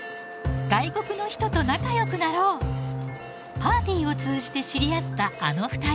パーティーを通じて知り合ったあの２人。